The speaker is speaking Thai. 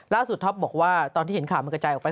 ท็อปบอกว่าตอนที่เห็นข่าวมันกระจายออกไป